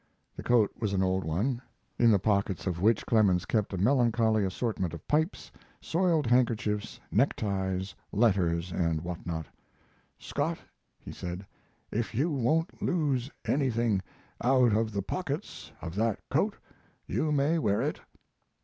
The coat was an old one, in the pockets of which Clemens kept a melancholy assortment of pipes, soiled handkerchiefs, neckties, letters, and what not. "Scott," he said, "if you won't lose anything out of the pockets of that coat you may wear it."